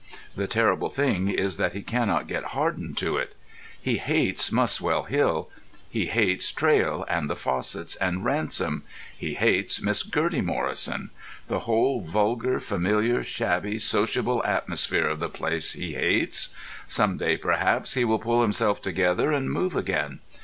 The terrible thing is that he cannot get hardened to it. He hates Muswell Hill; he hates Traill and the Fossetts and Ransom; he hates Miss Gertie Morrison. The whole vulgar, familiar, shabby, sociable atmosphere of the place he hates. Some day, perhaps, he will pull himself together and move again.